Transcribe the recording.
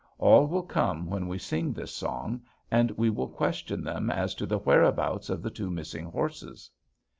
All will come when we sing this song, and we will question them as to the whereabouts of the two missing horses.'